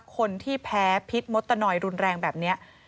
คนที่แพ้พิษมดตนอยรุนแรงแบบนี้